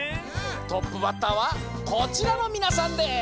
トップバッターはこちらのみなさんです！